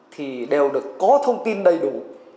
thì đều được có thông tin đầy đủ